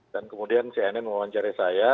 dan kemudian cnn mewawancari saya